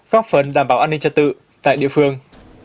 góp phần đảm bảo an ninh trật tự tại địa phương